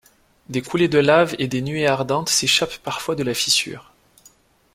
Des coulées de lave et des nuées ardentes s'échappent parfois de la fissure.